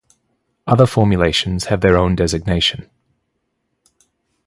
Other formulations have their own designation.